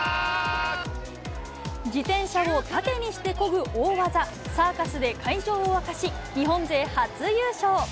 自転車を縦にしてこぐ大技、サーカスで会場を沸かし、日本勢初優勝。